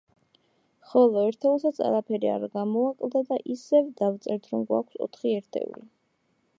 ხოლო ერთეულსაც არაფერი არ გამოაკლდა და ისევ დავწერთ რომ გვაქვს ოთხი ერთეული.